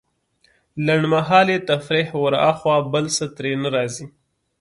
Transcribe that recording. لنډمهالې تفريح وراخوا بل څه ترې نه راځي.